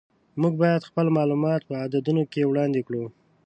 موږ باید خپل معلومات په عددونو کې وړاندې کړو.